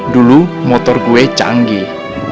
dulu motor gue canggih